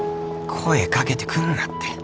声掛けてくんなって